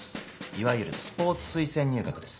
いわゆるスポーツ推薦入学です。